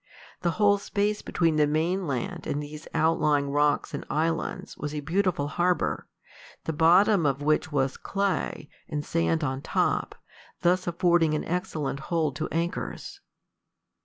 The whole space between the main land and these outlying rocks and islands was a beautiful harbor, the bottom of which was clay, and sand on top, thus affording an excellent hold to anchors.